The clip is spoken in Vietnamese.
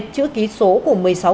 chữ ký số của một mươi sáu usb